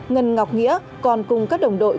ngân ngọc nghĩa còn cùng các đồng đội